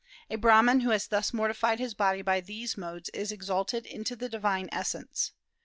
A Brahman who has thus mortified his body by these modes is exalted into the divine essence.